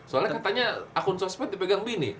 soalnya katanya akun sosmed dipegang dini